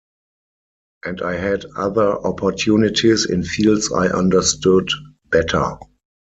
And I had other opportunities in fields I understood better.